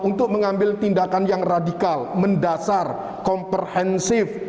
untuk mengambil tindakan yang radikal mendasar komprehensif